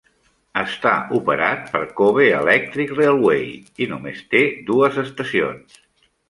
Està operat per Kobe Electric Railway i només té dues estacions.